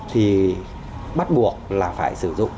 thì bắt buộc là phải sử dụng